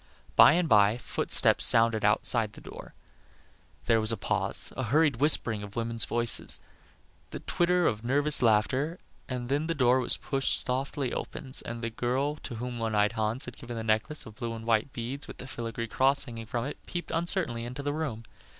By and by footsteps sounded outside the door. There was a pause; a hurried whispering of women's voices; the twitter of a nervous laugh, and then the door was pushed softly opens and the girl to whom the one eyed Hans had given the necklace of blue and white beads with the filigree cross hanging from it, peeped uncertainly into the room.